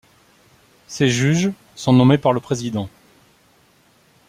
Ses juges sont nommés par le Président.